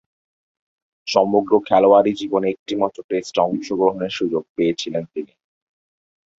সমগ্র খেলোয়াড়ী জীবনে একটিমাত্র টেস্টে অংশগ্রহণের সুযোগ পেয়েছিলেন তিনি।